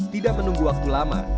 tidak menunggu waktu lama